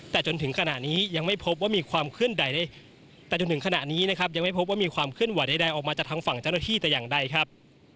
แต่จนถึงขณะนี้ยังไม่พบว่ามีความเคลื่อนไหวได้ออกมาจากทางฝั่งเจ้าหน้าที่แต่อย่างใดครับ